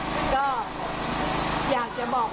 ก็อยากจะบอกว่าให้เจ้าที่เจ้าทางช่วยลุงพ่อช่วย